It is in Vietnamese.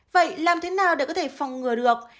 vậy làm thế nào để có thể phòng ngừa được